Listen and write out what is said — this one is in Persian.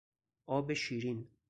آب شیرین